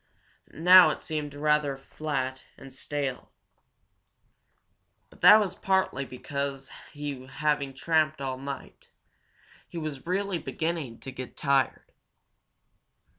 Now it seemed rather flat and stale. But that was partly because having tramped all night, he was really beginning to be tired.